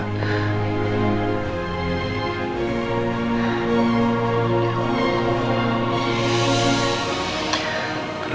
makanya aku tegur elsa